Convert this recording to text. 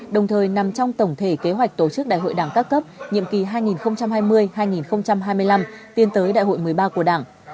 đồng thời nằm trong tổng thể kế hoạch tổ chức đại hội đảng các cấp nhiệm kỳ hai nghìn hai mươi hai nghìn hai mươi năm tiến tới đại hội một mươi ba của đảng